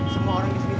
semua orang disini buru